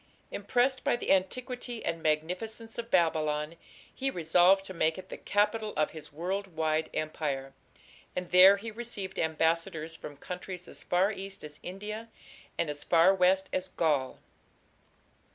Impressed by the antiquity and magnificence of Babylon, he resolved to make it the capital of his world wide empire, and there he received ambassadors from countries as far east as India and as far west as Gaul.